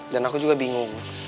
dan aku juga bingung